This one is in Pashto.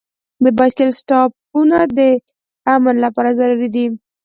د بایسکل سټاپونه د امن لپاره ضروري دي.